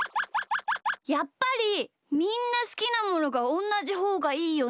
やっぱりみんなすきなものがおんなじほうがいいよね。